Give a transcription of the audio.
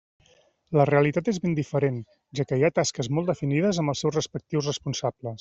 La realitat és ben diferent, ja que hi ha tasques molt definides amb els seus respectius responsables.